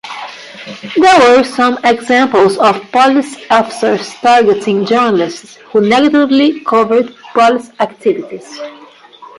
There were some examples of police officers targeting journalists who negatively covered police activities.